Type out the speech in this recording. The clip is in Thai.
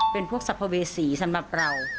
เป็นพวกสัมภเวษีสำหรับเรา